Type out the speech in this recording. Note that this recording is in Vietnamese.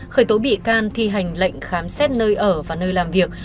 khởi tố bị can thi hành lệnh khám xét nơi ở và nơi làm việc